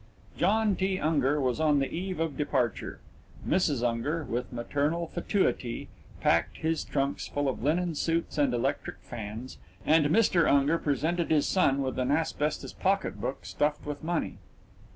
John T. Unger was on the eve of departure. Mrs. Unger, with maternal fatuity, packed his trunks full of linen suits and electric fans, and Mr. Unger presented his son with an asbestos pocket book stuffed with money.